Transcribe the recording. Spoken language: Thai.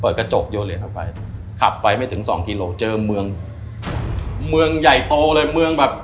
กระจกโยนเหรียญเข้าไปขับไปไม่ถึงสองกิโลเจอเมืองเมืองใหญ่โตเลยเมืองแบบ